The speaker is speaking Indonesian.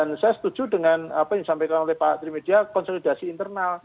saya setuju dengan apa yang disampaikan oleh pak trimedia konsolidasi internal